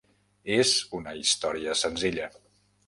És una història senzilla.